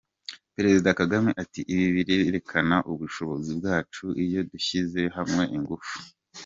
Perezida Kagame ati “ibi birerekana ubushobozi bwacu iyo dushyize hamwe ingufu.